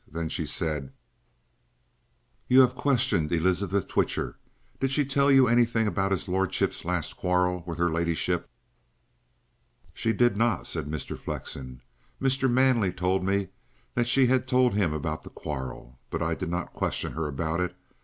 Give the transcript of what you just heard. Then she said: "You have questioned Elizabeth Twitcher. Did she tell you anything about his lordship's last quarrel with her ladyship?" "She did not," said Mr. Flexen. "Mr. Manley told me that she had told him about the quarrel. But I did not question her about it.